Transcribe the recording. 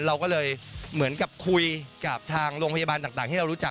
เราก็เลยเหมือนกับคุยกับทางโรงพยาบาลต่างที่เรารู้จัก